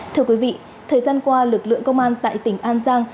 thưa quý vị thời gian qua lực lượng công an tại tỉnh an giang